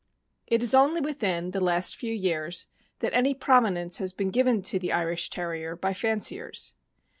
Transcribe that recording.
It is only within the last lew years that any prominence has been given to the Irish Terrier by fanciers.